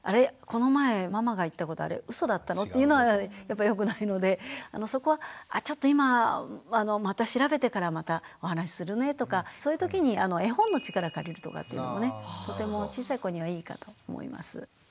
この前ママが言ったことあれうそだったのっていうのはやっぱりよくないのでそこはあちょっと今また調べてからまたお話しするねとかそういう時に絵本の力を借りるとかっていうのもねとても小さい子にはいいかと思います。